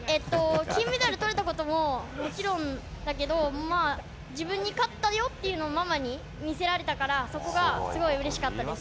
金メダルとれたことももちろんだけど、まあ、自分に勝ったよっていうのをママに見せられたから、そこがすごいうれしかったです。